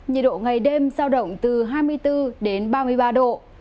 nhiệt độ ngày đêm giao động từ hai mươi bốn đến ba mươi ba độ